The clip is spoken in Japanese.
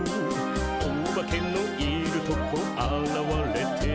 「オバケのいるとこあらわれて」